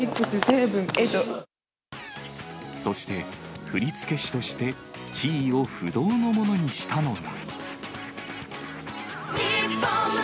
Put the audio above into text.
そして、振り付け師として地位を不動のものにしたのが。